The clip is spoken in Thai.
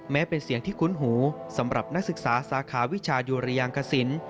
เป็นเสียงที่คุ้นหูสำหรับนักศึกษาสาขาวิชายุรยางกสิน